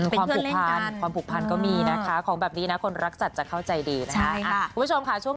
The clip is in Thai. เป็นเพื่อนเล่นกันความผูกพันก็มีนะคะของแบบนี้นะคนรักจัดจะเข้าใจดีนะคะ